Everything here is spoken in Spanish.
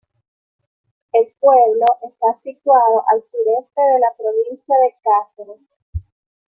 El pueblo está situado al Sur-Este de la provincia de Cáceres.